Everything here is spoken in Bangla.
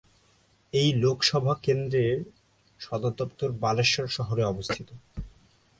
এই লোকসভা কেন্দ্রর সদর দফতর বালেশ্বর শহরে অবস্থিত।